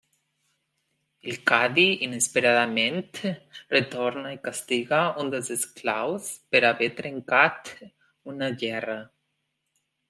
El cadi, inesperadament, retorna i castiga un dels esclaus per haver trencat una gerra.